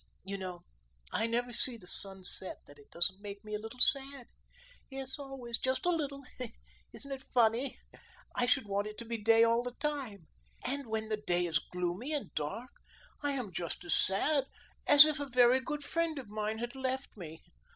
You know, I never see the sun set that it don't make me a little sad; yes, always, just a little. Isn't it funny? I should want it to be day all the time. And when the day is gloomy and dark, I am just as sad as if a very good friend of mine had left me.